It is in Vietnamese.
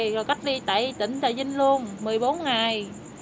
rồi cách đi tại tỉnh tài vinh luôn một mươi bốn ngày